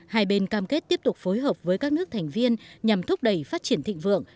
hai bên cam kết tiếp tục phối hợp với các nước thành viên nhằm thúc đẩy phát triển thịnh vượng